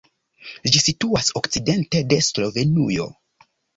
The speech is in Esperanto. Ĝi situas okcidente de Slovenujo.